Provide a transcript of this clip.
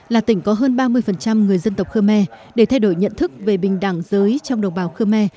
là tỉnh có hơn ba mươi người dân tộc khmer để thay đổi nhận thức về bình đẳng giới trong đồng bào khmer